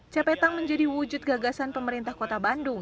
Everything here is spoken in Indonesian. cepetang menjadi wujud gagasan pemerintah kota bandung